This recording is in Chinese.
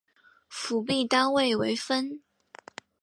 辅币单位为分。